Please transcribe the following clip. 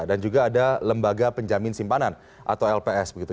dan juga ada lembaga penjamin simpanan atau lps begitu